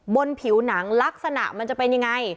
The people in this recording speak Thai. บนผิวหนังลักษณะมันจะเป็นยังไง